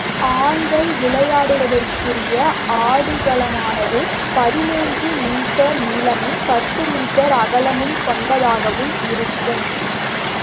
ஆண்கள் விளையாடுவதற்குரிய ஆடுகளமானது பதிமூன்று மீட்டர் நீளமும், பத்து மீட்டர் அகலமும் கொண்டதாகவும் இருக்கும்.